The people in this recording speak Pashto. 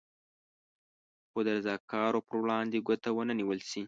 خو د رضاکارو پر وړاندې ګوته ونه نېول شي.